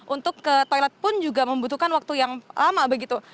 untuk ke toilet pun juga membutuhkan waktu yang lama begitu